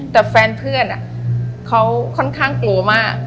แต่แฟนเพื่อนเขาค่อนข้างกลัวมาก